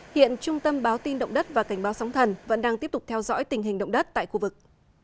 hiện trung tâm báo tin động đất và cảnh báo sóng thần vẫn đang tiếp tục theo dõi tình hình động đất tại khu vực